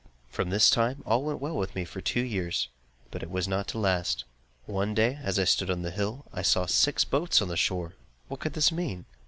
From this time, all went well with me for two years; but it was not to last. One day, as I stood on the hill, I saw six boats on the shore! What could this mean?